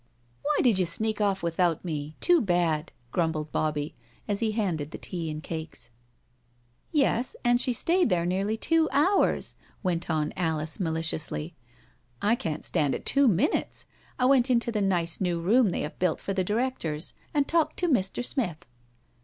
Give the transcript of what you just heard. " Why did you sneak off without me? Too bad," grumbled Bobbie, as he handed the tea and cakes. " Yes, and she stayed there nearly two hours," went on Alice maliciously. " I can't stand it two minutes. I went into that nice new room they have built for the directors, and talked to Mr. Smith."